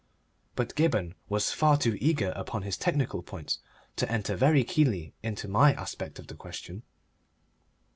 But Gibberne was far too eager upon his technical points to enter very keenly into my aspect of the question.